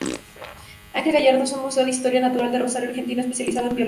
Ángel Gallardo es un museo de historia natural de Rosario, Argentina, especializado en biología.